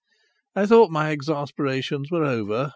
I thought my exasperations were over.